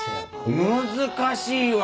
難しいわ。